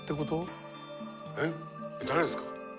えっ誰ですか？